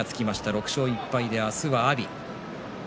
６勝１敗で明日は阿炎。